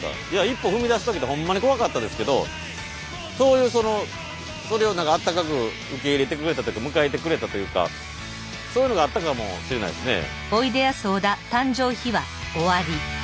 一歩踏み出すときってほんまに怖かったですけどとはいえそれを何かあったかく受け入れてくれたというか迎えてくれたというかそういうのがあったかもしれないですね。